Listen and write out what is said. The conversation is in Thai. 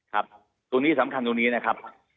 ตรงนี้สำคัญตรงนี้นะครับ